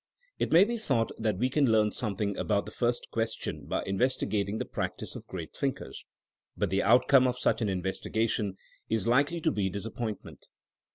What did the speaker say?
It may be thought that we can learn some thing about the first question by investigating the practice of great thinkers. But the out come of such an investigation is likely to be disappointment.